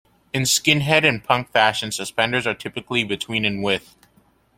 In skinhead and punk fashion, suspenders are typically between in width.